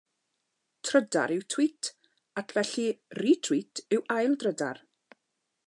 Trydar yw tweet ac felly retweet yw aildrydar.